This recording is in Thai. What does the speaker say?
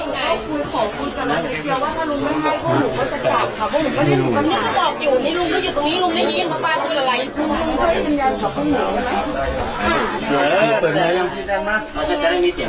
ลุงลุงลุงลุง